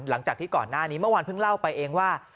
หลังจากที่ก่อนหน้านี้เมื่อวานเพิ่งเล่าไปเองว่า